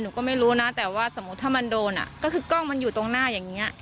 หนูก็ไม่รู้นะแต่ว่าสมมุติถ้ามันโดนอ่ะก็คือกล้องมันอยู่ตรงหน้าอย่างนี้